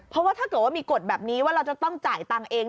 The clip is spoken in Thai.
เพราะว่าถ้าเกิดว่ามีกฎแบบนี้ว่าเราจะต้องจ่ายตังค์เอง